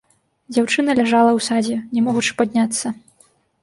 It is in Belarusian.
Дзяўчына ляжала ў садзе, не могучы падняцца.